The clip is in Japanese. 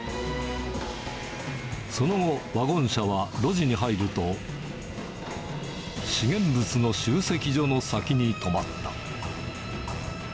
その後、ワゴン車は路地に入ると、資源物の集積所の先に止まった。